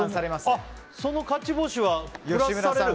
その勝ち星はプラスされる？